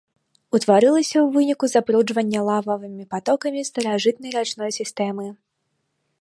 Утварылася ў выніку запруджвання лававымі патокамі старажытнай рачной сістэмы.